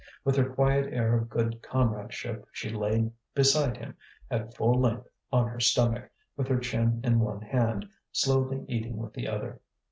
With her quiet air of good comradeship she lay beside him, at full length on her stomach, with her chin in one hand, slowly eating with the other.